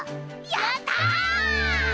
やった！